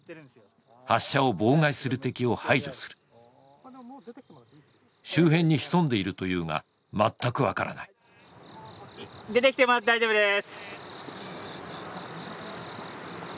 発射を妨害する敵を排除する周辺に潜んでいるというが全く分からない・出てきてもらって大丈夫です